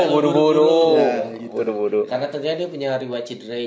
karena tadinya dia punya riwachi drei